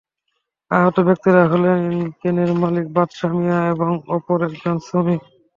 আহত ব্যক্তিরা হলেন ক্রেনের মালিক বাদশা মিয়া এবং অপর একজন শ্রমিক।